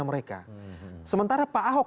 mereka sementara pak ahok